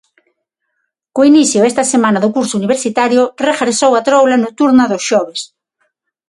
Co inicio esta semana do curso universitario regresou a troula nocturna dos xoves.